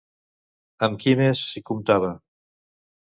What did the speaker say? Amb qui més s'hi comptava?